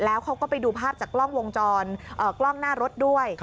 แล้วเขาก็ไปดูภาพจากกล้องวงจรกล้องหน้ารถด้วย